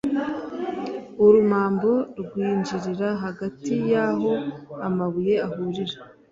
urumambo rwinjirira hagati y’aho amabuye ahurira,